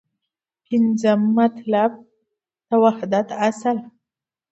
پنځم مطلب : د وحدت اصل